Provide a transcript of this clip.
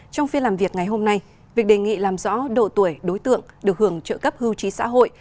trong phiên làm việc ngày hôm nay việc đề nghị làm rõ độ tuổi đối tượng được hưởng trợ cấp hưu trí xã hội